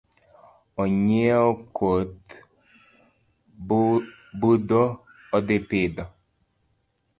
Onyiewo koth budho odhi pidho